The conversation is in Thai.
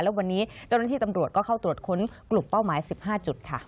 และวันนี้เจ้าหน้าที่ตำรวจก็เข้าตรวจค้นกลุ่มเป้าหมาย๑๕จุดค่ะ